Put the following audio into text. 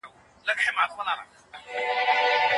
په ناول کې د ګلناباد مشهور جنګ ذکر شوی دی.